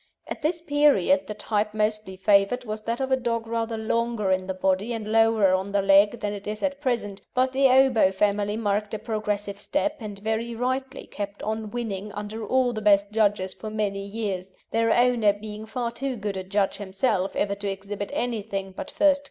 At this period the type mostly favoured was that of a dog rather longer in the body and lower on the leg than it is at present, but the Obo family marked a progressive step, and very rightly kept on winning under all the best judges for many years, their owner being far too good a judge himself ever to exhibit anything but first class specimens.